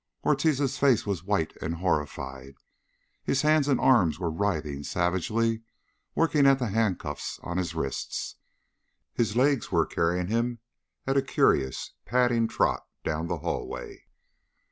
Ortiz's face was white and horrified. His hands and arms were writhing savagely, working at the handcuffs on his wrists. His legs were carrying him at a curious, padding trot down the hallway.